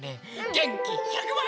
げんき１００ばい！